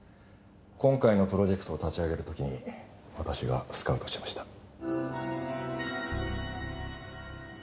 今回のプロジェクトを立ち上げる時に私がスカウトしました。